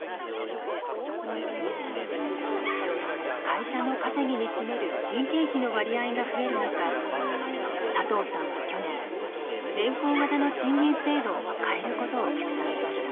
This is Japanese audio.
会社の稼ぎに占める人件費の割合が増える中佐藤さんは去年年功型の賃金制度を変えることを決断しました。